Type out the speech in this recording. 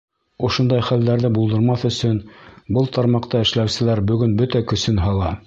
Ошондай хәлдәрҙе булдырмаҫ өсөн был тармаҡта эшләүселәр бөгөн бөтә көсөн һала.